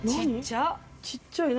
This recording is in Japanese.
ちっちゃい。